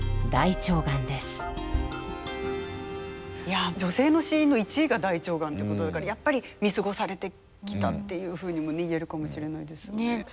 いや女性の死因の１位が大腸がんということだからやっぱり見過ごされてきたっていうふうにも言えるかもしれないですね。